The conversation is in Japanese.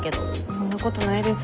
そんなことないです。